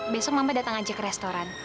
besok mama datang aja ke restoran